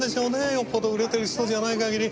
よっぽど売れてる人じゃない限り。